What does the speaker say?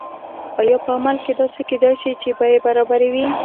آیا په عمل کې داسې کیدای شي چې بیې برابرې وي؟